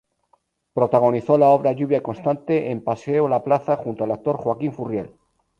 Protagonizó la obra "Lluvia Constante" en Paseo La Plaza junto al actor Joaquín Furriel.